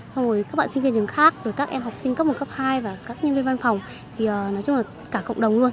xong rồi các bạn sinh viên trường khác rồi các em học sinh cấp một cấp hai và các nhân viên văn phòng thì nói chung là cả cộng đồng luôn